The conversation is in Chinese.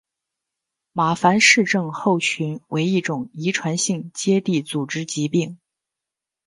马凡氏症候群为一种遗传性结缔组织疾病。